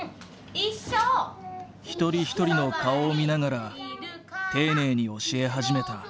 一人一人の顔を見ながら丁寧に教え始めた。